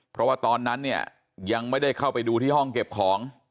เพราะว่าตอนนั้นเนี่ยยังไม่ได้เข้าไปดูที่ห้องเก็บของ